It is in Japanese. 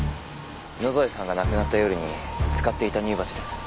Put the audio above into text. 野添さんが亡くなった夜に使っていた乳鉢です。